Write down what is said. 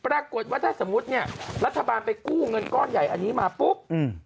ปรากฏว่าถ้าสมมุติเนี่ยรัฐบาลไปกู้เงินก้อนใหญ่อันนี้มาปุ๊บอืม